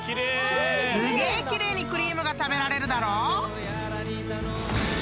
すげえ奇麗にクリームが食べられるだろ？］